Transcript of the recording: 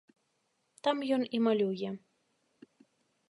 Там ён і малюе.